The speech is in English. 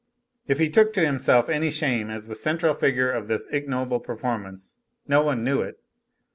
If he took to himself any shame as the central figure of this ignoble performance, no one knew it.